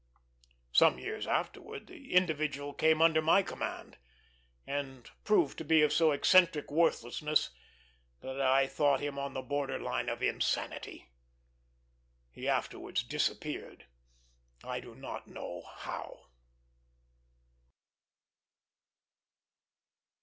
Some years afterwards the individual came under my command, and proved to be of so eccentric worthlessness that I thought him on the border line of insanity. He afterwards disappeared, I do not know how.